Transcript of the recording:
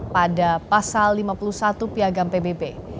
pada pasal lima puluh satu piagam pbb